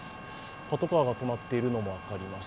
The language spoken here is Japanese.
パトカーが止まっているのも分かります。